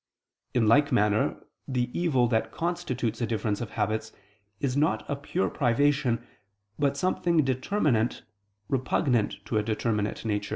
In like manner the evil that constitutes a difference of habits is not a pure privation, but something determinate repugnant to a determinate nature.